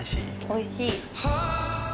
おいしい。